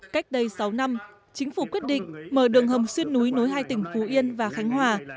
cách đây sáu năm chính phủ quyết định mở đường hầm xuyên núi nối hai tỉnh phú yên và khánh hòa